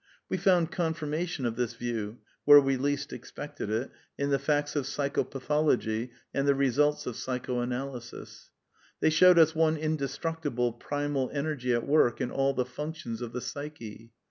We found confirmation of this view, where we least ex pected it, in the facts of psychopathology and the results of psychoanalysis. They showed us one indestructible primal energy at work in all the functions of the psyche.